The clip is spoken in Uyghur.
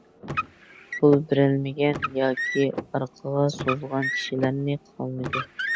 پۇل بېرەلمىگەن ياكى ئارقىغا سوزغان كىشىلەرنى قامىدى.